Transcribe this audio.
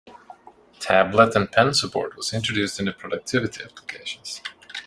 Tablet and pen support was introduced in the productivity applications.